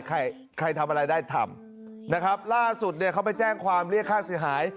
ใครใครทำอะไรได้ทำนะครับล่าสุดเนี่ยเขาไปแจ้งความเรียกค่าเสียหาย